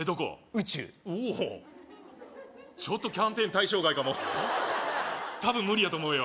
宇宙おおちょっとキャンペーン対象外かも多分無理やと思うよ